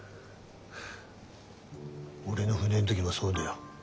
俺の船ん時もそうだよ。